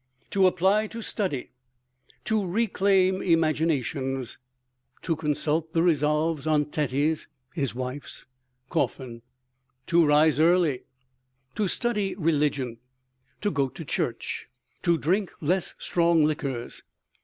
To apply to study. To reclaim imaginations. To consult the resolves on Tetty's [his wife's] coffin. To rise early. To study religion. To go to church. To drink less strong liquors.